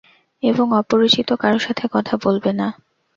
এবং অপরিচিত কারো সাথে কথা বলবেনা।